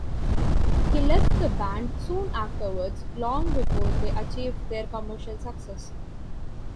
He left the band soon afterwards, long before they achieved their commercial success.